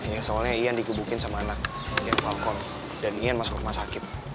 ya soalnya ian digubukin sama anak yang falcon dan ian masuk rumah sakit